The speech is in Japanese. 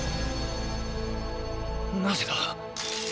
なぜだ。